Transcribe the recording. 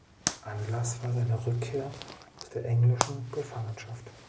Anlass war seine Rückkehr aus der englischen Gefangenschaft.